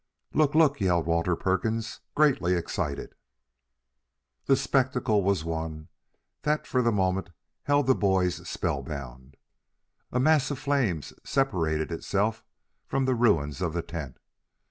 "Look, look!" yelled Walter Perkins, greatly excited. The spectacle was one that for the moment held the boys spellbound. A mass of flame separated itself from the ruins of the tent.